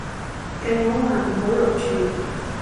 計我話唔好錄住